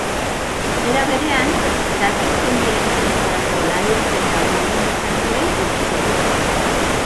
Era berean, datozen bi asteetarako lanuzte eta mobilizazioei eutsiko diete.